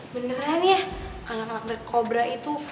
beneran ya anak anak dari kobra itu